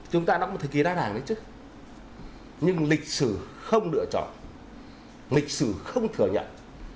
chúng ta đã có một thời kỳ đa đảng hay chứ nhưng lịch sử không lựa chọn lịch sử không thừa nhận